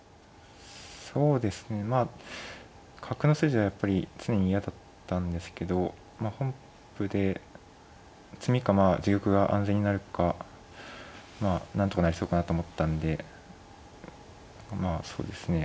そうですねまあ角の筋がやっぱり常に嫌だったんですけどまあ本譜で詰みかまあ自玉が安全になるかまあなんとかなりそうかなと思ったんでまあそうですね